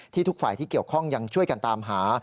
ทุกฝ่ายที่เกี่ยวข้องยังช่วยกันตามหา